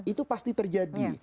itu pasti terjadi